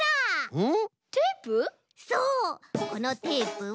うん！